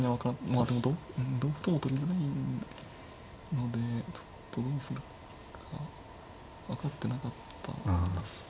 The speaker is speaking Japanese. まあでもどうやっても取れないのでちょっとどうするか分かってなかったです。